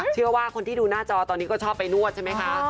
เชื่อว่าคนที่ดูหน้าจอตอนนี้ก็ชอบไปนวดใช่ไหมคะ